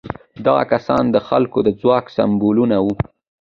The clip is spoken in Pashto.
دغه کسان د خلکو د ځواک سمبولونه وو.